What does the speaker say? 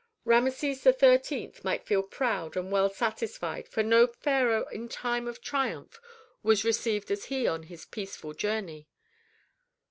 Rameses XIII. might feel proud and well satisfied, for no pharaoh in time of triumph was received as he on his peaceful journey.